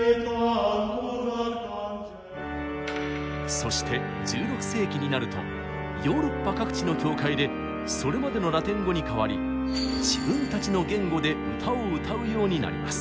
そして１６世紀になるとヨーロッパ各地の教会でそれまでのラテン語に代わり自分たちの言語で歌を歌うようになります。